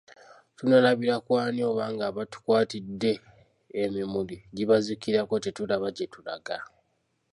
Tunaalabira ku ani oba ng'abatukwatidde emimuli gibazikirako tetulaba gye tulaga !